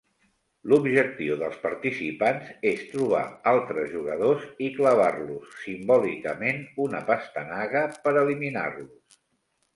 L'objectiu dels participants és trobar altres jugadors i clavar-los simbòlicament una pastanaga per eliminar-los.